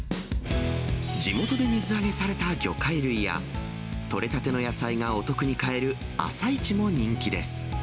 地元で水揚げされた魚介類や取れたての野菜がお得に買える朝市も人気です。